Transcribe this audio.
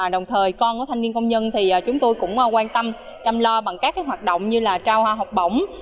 đồng thời con của thanh niên công nhân thì chúng tôi cũng quan tâm chăm lo bằng các hoạt động như là trao hoa học bổng